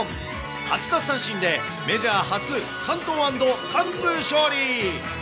８奪三振で、メジャー初完投＆完封勝利。